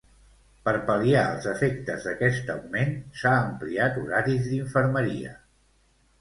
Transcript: Per pal·liar els efectes d'aquest augment, s'ha ampliat horaris d'infermeria.